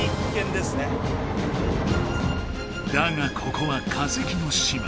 だがここは化石の島。